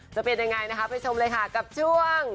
จะเป็นยังไงนะคะไปชมเลยค่ะกับช่วง